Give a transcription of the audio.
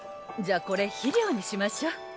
じゃあこれ肥料にしましょう。